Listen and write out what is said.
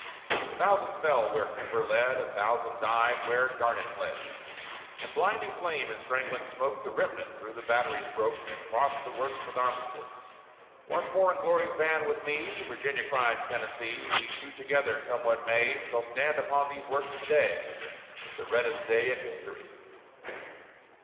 A thousand fell where Kemper led; A thousand died where Garnett bled; In blinding flame and strangling smoke, The remnant through the batteries broke, And crossed the works with Armistead. "Once more in Glory's van with me!" Virginia cried to Tennessee: "We two together, come what may, Shall stand upon those works to day!" The reddest day in history.